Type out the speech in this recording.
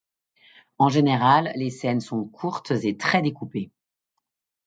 En général, les scènes sont courtes et très découpées.